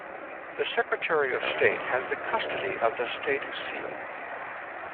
The Secretary of State has the custody of the State Seal.